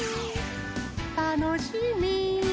たのしみ。